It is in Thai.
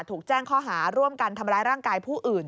ถูกแจ้งข้อหาร่วมกันทำร้ายร่างกายผู้อื่น